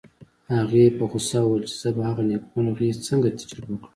هغې په غوسه وویل چې زه به هغه نېکمرغي څنګه تجربه کړم